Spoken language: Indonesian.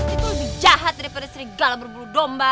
dia tuh lebih jahat daripada serigala berbulu domba